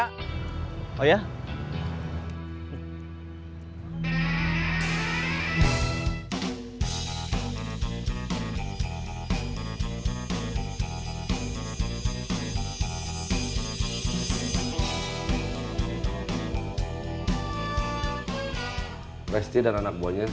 tidak ada yang mau menangkap resty dan anak buahnya